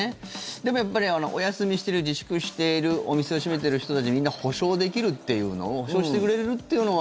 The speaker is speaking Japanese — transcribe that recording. でも、お休みしている自粛しているお店を閉めている人たちみんな補償できるっていうのを補償してくれるっていうのは。